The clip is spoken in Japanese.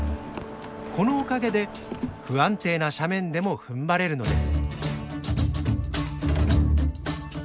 このおかげで不安定な斜面でもふんばれるのです。